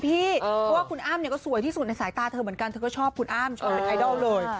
เพราะว่าคุณอ้ำเนี่ยก็สวยที่สุดในสายตาเธอเหมือนกันเธอก็ชอบคุณอ้ำโชว์เป็นไอดอลเลย